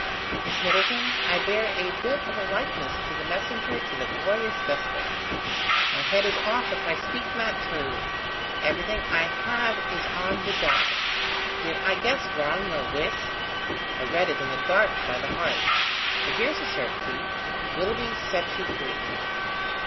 "Miss Middleton, I bear a bit of a likeness to the messenger to the glorious despot my head is off if I speak not true! Everything I have is on the die. Did I guess wrong your wish? I read it in the dark, by the heart. But here's a certainty: Willoughby sets you free."